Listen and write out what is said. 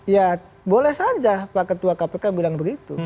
ya boleh saja pak ketua kpk bilang begitu